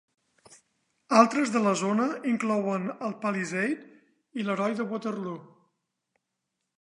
Altres de la zona inclouen el Palisade i l'heroi de Waterloo.